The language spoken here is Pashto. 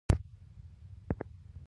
ځکه چې ګټه په تاوان کېږي.